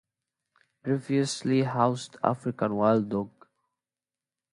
Previously housed African wild dog.